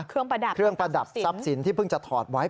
ประดับเครื่องประดับทรัพย์สินที่เพิ่งจะถอดไว้